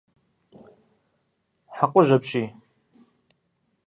Хьэкъужь апщий.